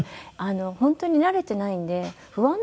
本当に慣れてないので不安なんですよね。